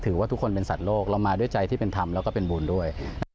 ว่าทุกคนเป็นสัตว์โลกเรามาด้วยใจที่เป็นธรรมแล้วก็เป็นบุญด้วย